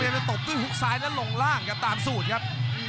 ตกด้วยหุ้กซ้ายและลงล่างตามสูตรครับ